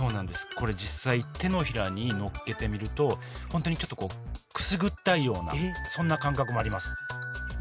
これ実際手のひらにのっけてみると本当にちょっとくすぐったいようなそんな感覚もあります